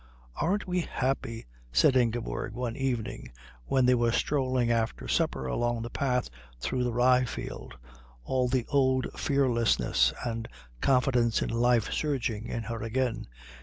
"Aren't we happy," said Ingeborg one evening when they were strolling after supper along the path through the rye field, all the old fearlessness and confidence in life surging in her again.